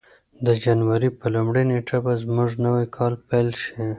د جنوري په لومړۍ نېټه به زموږ نوی کال پیل شي.